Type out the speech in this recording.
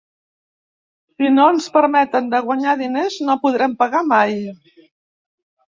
Si no ens permeten de guanyar diners, no podrem pagar mai!